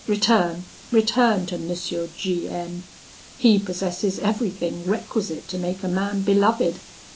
Return, return to M. G M ; he possesses everything requisite to make a man beloved.